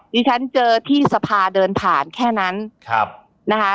ที่ฉันเจอที่สภาเดินผ่านแค่นั้นนะคะ